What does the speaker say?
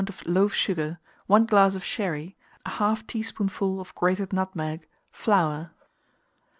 of loaf sugar, 1 glass of sherry, 1/2 teaspoonful of grated nutmeg, flour.